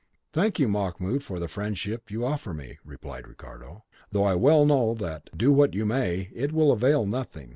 "I thank you, Mahmoud, for the friendship you offer me," replied Ricardo, "though I well know that, do what you may, it will avail nothing.